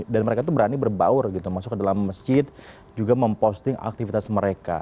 dan mereka itu berani berbaur gitu masuk ke dalam masjid juga memposting aktivitas mereka